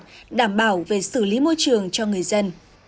đảm bảo về xử lý môi trường cho người dân